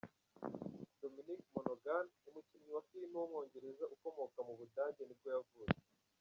Dominic Monaghan, umukinnyi wa filime w’umwongereza ukomoka mu Budage nibwo yavutse.